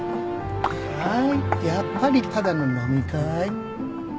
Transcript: はいやっぱりただの飲み会。